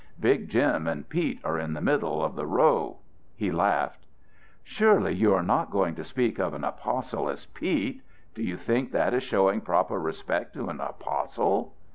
Big Jim and Pete are in the middle of the row." He laughed. "Surely you are not going to speak of an apostle as Pete! Do you think that is showing proper respect to an apostle?"